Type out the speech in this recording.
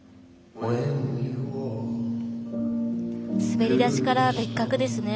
滑り出しから別格ですね。